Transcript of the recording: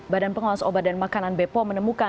badan pengawas obat dan makanan bepom menemukan